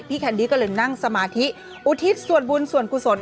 แคนดี้ก็เลยนั่งสมาธิอุทิศส่วนบุญส่วนกุศล